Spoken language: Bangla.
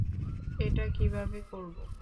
এটা কীভাবে করব?